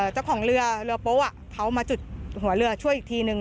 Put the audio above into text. เจ้าของเรือเรือโป๊ะเขามาจุดหัวเรือช่วยอีกทีนึง